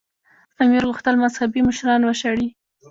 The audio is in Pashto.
امیر غوښتل مذهبي مشران وشړي.